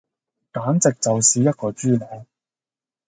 簡直就是一個豬腦